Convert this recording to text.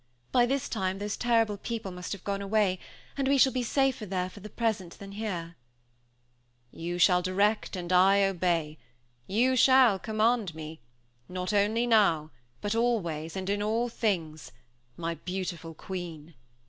"By this time those terrible people must have gone away, and we shall be safer there, for the present, than here." "You shall direct, and I obey; you shall command me, not only now, but always, and in all things, my beautiful queen!"